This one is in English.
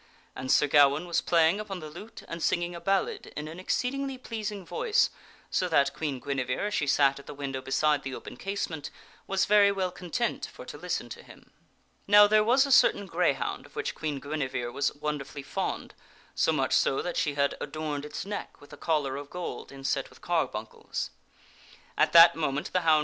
And Sir Gawaine was playing upon the lute and singing a ballad in an exceedingly pleasing voice so that Queen Guinevere, as she sat at the window beside the open casement, was very well content for to listen to him. Now there was a certain greyhound of which Queen Guinevere was wonderfully fond ; so much so that she had adorned its neck with a collar ~.~. of gold inset with carbuncles. At that moment the hound Sir Gawaine .